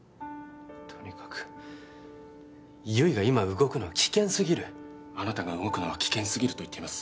とにかく悠依が今動くのは危険すぎるあなたが動くのは危険すぎると言っています